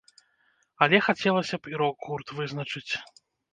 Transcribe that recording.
Але хацелася б і рок-гурт вызначыць.